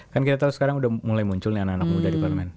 kan kita tau sekarang udah mulai muncul nih anak anak muda di parlemen